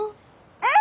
うん。